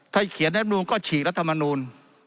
ถ้าเขียนรัฐมนูลก็ฉีกรัฐมนูล